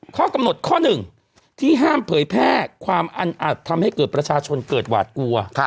ข้อกำหนดข้อหนึ่งที่ห้ามเผยแพร่ความอันอาจทำให้เกิดประชาชนเกิดหวาดกลัว